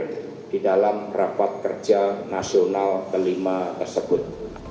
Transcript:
yang hadir di dalam rapat kerja nasional kelima tersebut